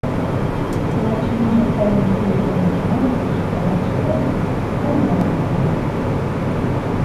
Лач лийже тыйын тул ончалтыш, Лач тые, тый мылам кӱлат!